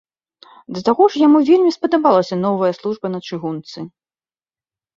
Да таго ж яму вельмі спадабалася новая служба на чыгунцы.